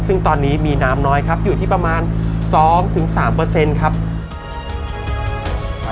ซึ่งตอนนี้มีน้ำน้อยครับอยู่ที่ประมาณ๒๓เปอร์เซ็นต์ครับ